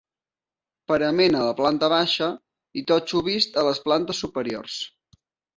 Parament a la planta baixa i totxo vist a les plantes superiors.